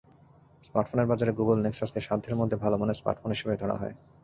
স্মার্টফোনের বাজারে গুগল নেক্সাসকে সাধ্যের মধ্যে ভালো মানের স্মার্টফোন হিসেবেই ধরা হয়।